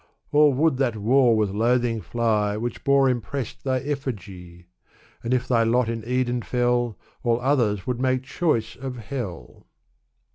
All would that wall with loathing fly Which bore impressed thy effigy : And if thy lot in Eden fell. All others would make choice of Hell.